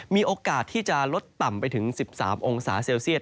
มีโอกาสที่จะลดต่ำไปถึง๑๓องศาเซลเซียต